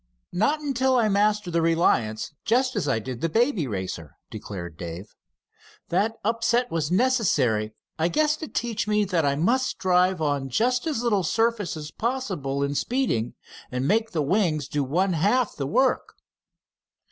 "Not until I master the Reliance, just as I did the Baby Racer," declared Dave. "That upset was necessary, I guess, to teach me that I must drive on just as little surface as possible in speeding, and make the wings do one half the work."